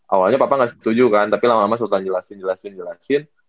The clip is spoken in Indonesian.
awalnya papa gak setuju kan tapi lama lama sultan jelasin jelasin jelasin